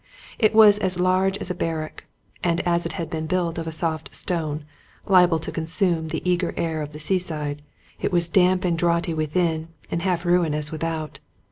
It was as large as a barrack; and as it had been built of a soft stone, liable to consume in the eager air of the seaside, it was damp and draughty within and half ruinous without.